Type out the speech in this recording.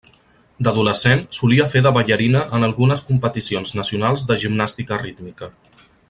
D'adolescent, solia fer de ballarina en algunes competicions Nacionals de gimnàstica rítmica.